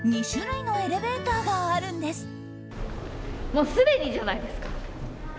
２種類のエレベーターがあるんです。